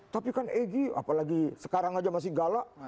tapi kan egy apalagi sekarang aja masih galak